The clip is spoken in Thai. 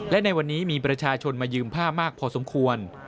และในวันนี้มีประชาชนมายืมผ้ามากพอสมควร